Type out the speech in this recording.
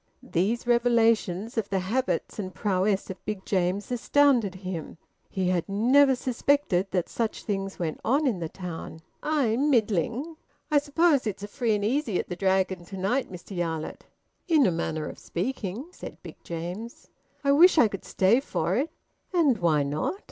These revelations of the habits and prowess of Big James astounded him. He had never suspected that such things went on in the town. "Aye! Middling!" "I suppose it's a free and easy at the Dragon, to night, Mr Yarlett?" "In a manner of speaking," said Big James. "I wish I could stay for it." "And why not?"